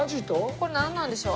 これなんなんでしょう？